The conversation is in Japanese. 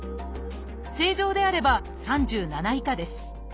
正常であれば３７以下です。